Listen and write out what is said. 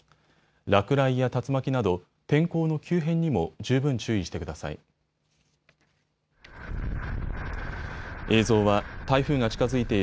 落雷や竜巻など天候の急変にも十分注意してください。